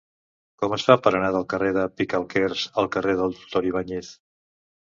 Com es fa per anar del carrer de Picalquers al carrer del Doctor Ibáñez?